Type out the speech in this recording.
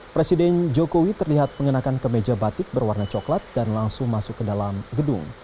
presiden jokowi terlihat mengenakan kemeja batik berwarna coklat dan langsung masuk ke dalam gedung